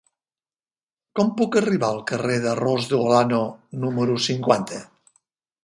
Com puc arribar al carrer de Ros de Olano número cinquanta?